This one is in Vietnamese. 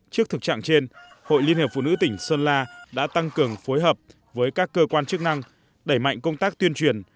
trước thực trạng trên hội liên hiệp phụ nữ tỉnh sơn la đã tăng cường phối hợp với các cơ quan chức năng đẩy mạnh công tác tuyên truyền